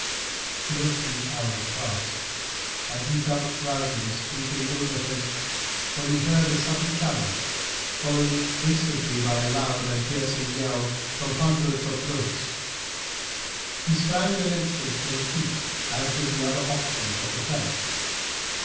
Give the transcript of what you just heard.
Two or three hours passed, and he felt drowsiness creeping over him, when he heard a sudden challenge, followed instantly by a loud and piercing yell from hundreds of throats. He sprang in an instant to his feet, as did the other occupants of the tent.